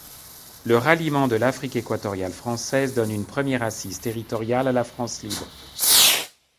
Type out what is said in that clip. Le ralliement de l'Afrique-Équatoriale française donne une première assise territoriale à la France libre.